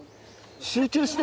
集中して！